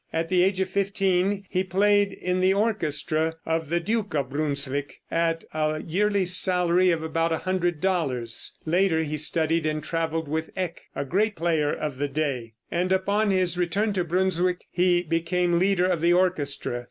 At the age of fifteen he played in the orchestra of the duke of Brunswick, at a yearly salary of about $100. Later he studied and traveled with Eck, a great player of the day, and upon his return to Brunswick he became leader of the orchestra.